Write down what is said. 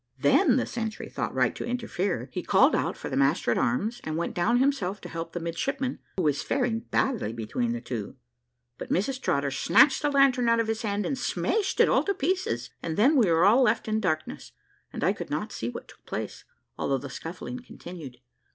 Then the sentry thought right to interfere; he called out for the master at arms, and went down himself to help the midshipman, who was faring badly between the two. But Mrs Trotter snatched the lantern out of his hand and smashed it all to pieces, and then we were all left in darkness, and I could not see what took place, although the scuffling continued.